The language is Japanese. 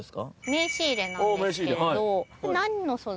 名刺入れなんですけれど。